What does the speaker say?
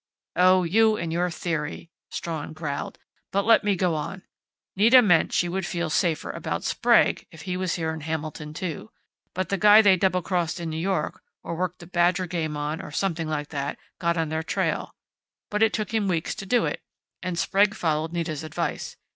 "Oh, you and your theory!" Strawn growled. "But let me go on.... Nita meant she would feel safer about Sprague if he was here in Hamilton, too. But the guy they double crossed in New York, or worked the badger game on, or something like that, got on their trail. But it took him weeks to do it, and Sprague followed Nita's advice.